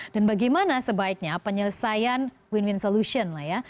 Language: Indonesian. dan bagaimana sebaiknya penyelesaian win win solution lah ya